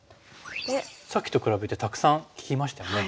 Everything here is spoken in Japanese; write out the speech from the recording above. さっきと比べてたくさん利きましたよね。